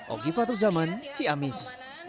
oki fatuzaman ciamis